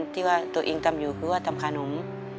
ที่ว่าตัวเองทำอยู่คือว่าทำขนม